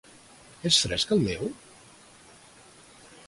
És fresc, el meu?